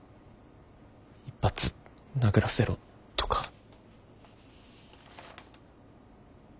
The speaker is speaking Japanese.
「一発殴らせろ」とか。